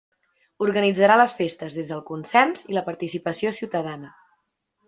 Organitzarà les festes des del consens i la participació ciutadana.